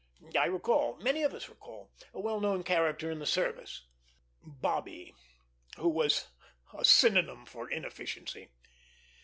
I recall many of us recall a well known character in the service, "Bobby," who was a synonyme for inefficiency.